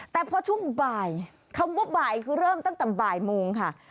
แต่พอช่วงบ่ายคำว่าบ่ายคือเริ่มตั้งแต่บ่ายโมงค่ะ